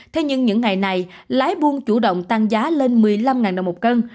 thế nhưng những ngày này lái buôn chủ động tăng giá lên một mươi năm đồng một kg